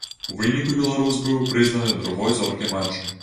У выніку беларус быў прызнаны другой зоркай матчу.